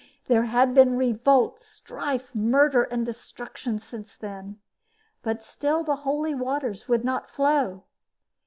There had been revolt, strife, murder and destruction since then. But still the holy waters would not flow.